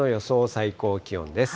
最高気温です。